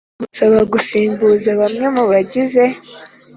Gusaba Gusimbuza Bamwe Mu Bayigize